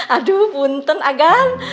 aduh buntun agan